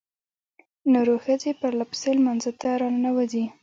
نرو ښځې پرلپسې لمانځه ته راننوځي.